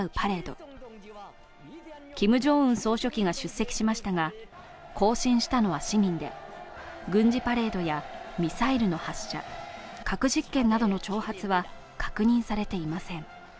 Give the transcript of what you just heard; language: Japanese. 総書記が出席しましたが、行進したのは市民で軍事パレードやミサイルの発射、核実験などの挑発は確認されていません。